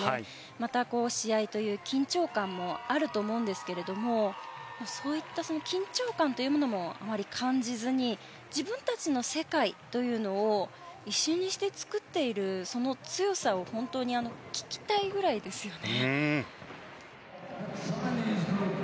また、試合という緊張感もあると思うんですけれどもそういった緊張感というものもあまり感じずに自分たちの世界というのを一瞬にして作っていくその強さを本当に聞きたいぐらいですよね。